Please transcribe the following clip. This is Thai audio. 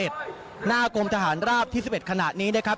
หน้ากรมทหารราบที่๑๑ขณะนี้นะครับ